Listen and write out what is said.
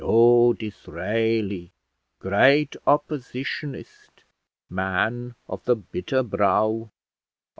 Oh, Disraeli, great oppositionist, man of the bitter brow!